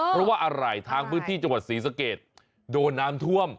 เพราะว่าอะไรทางพื้นที่จังหวัดศรีสะเกดโดนน้ำท่วม